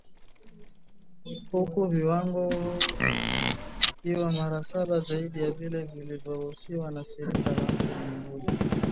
Huku viwango vikiwa mara saba zaidi ya vile vinavyoruhusiwa na Shirika la Afya Ulimwenguni, kulingana na ripoti ya ubora wa hewa iliyotolewa mwaka uliopita.